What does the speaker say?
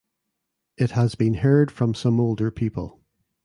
It has been heard from some older people.